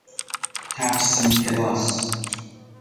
تپسی پلاس